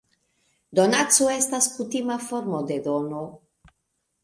Donaco estas kutima formo de dono.